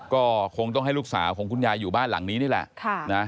ก็คงต้องให้ลูกสาวของคุณยายอยู่บ้านหลังนี้นี่แหละ